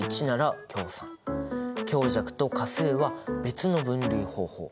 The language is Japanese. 強弱と価数は別の分類方法。